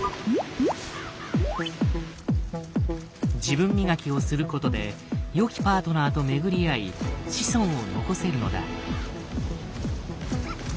自分磨きをすることでよきパートナーと巡り合い子孫を残せるのだ。